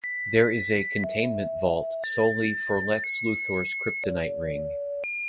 There is a containment vault solely for Lex Luthor's Kryptonite ring.